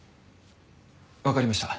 わかりました。